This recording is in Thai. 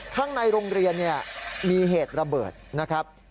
ข้างในโรงเรียนเนี่ยมีเหตุระเบิดนะครับ